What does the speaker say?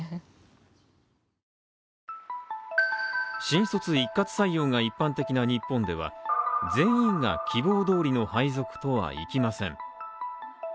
新卒一括採用が一般的な日本では全員が希望どおりの配属とはいきません。